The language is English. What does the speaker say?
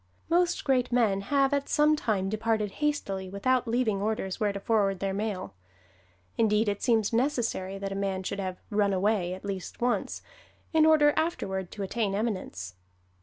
Most great men have at some time departed hastily without leaving orders where to forward their mail. Indeed, it seems necessary that a man should have "run away" at least once, in order afterward to attain eminence.